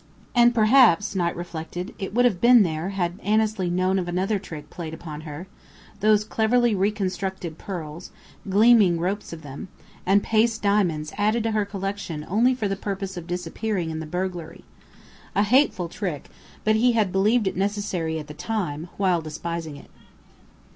And perhaps, Knight reflected, it would have been there had Annesley known of another trick played upon her: those cleverly "reconstructed" pearls, gleaming ropes of them, and paste diamonds added to her collection only for the purpose of disappearing in the "burglary." A hateful trick, but he had believed it necessary at the time, while despising it.